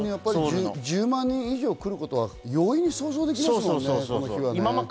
１０万人以上来ることは容易に想像できますもんね。